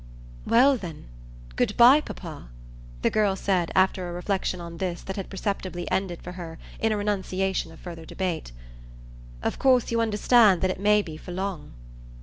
"Well then good bye, papa," the girl said after a reflexion on this that had perceptibly ended for her in a renunciation of further debate. "Of course you understand that it may be for long."